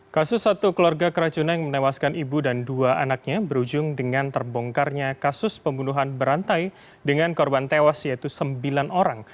kasus satu keluarga keracunan yang menewaskan ibu dan dua anaknya berujung dengan terbongkarnya kasus pembunuhan berantai dengan korban tewas yaitu sembilan orang